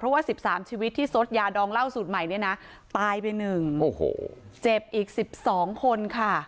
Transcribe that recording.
ผสมคังคก